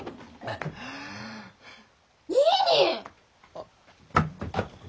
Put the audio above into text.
あっ。